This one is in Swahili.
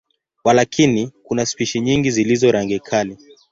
Walakini, kuna spishi nyingi zilizo rangi kali.